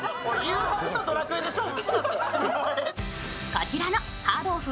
こちらのハードオフ